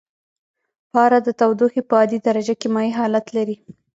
پاره د تودوخې په عادي درجه کې مایع حالت لري.